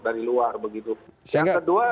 dari luar yang kedua